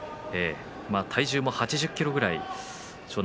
体重も８０ｋｇぐらい湘南乃